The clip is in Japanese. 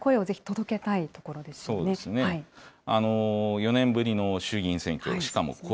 ４年ぶりの衆議院選挙、しかもコ